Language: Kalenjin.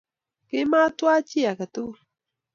Kimatwaa chi age tugul